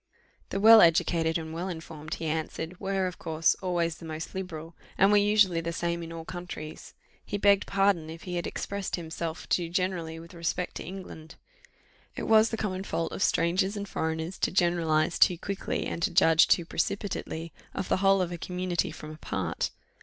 The well educated and well informed, he answered, were, of course, always the most liberal, and were usually the same in all countries. He begged pardon if he had expressed himself too generally with respect to England. It was the common fault of strangers and foreigners to generalize too quickly, and to judge precipitately of the whole of a community from a part.